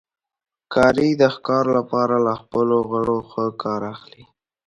ښکاري د ښکار لپاره له خپلو غړو ښه کار اخلي.